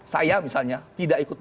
saya misalnya tidak ikut